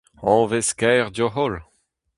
Hañvezh kaer deoc'h holl !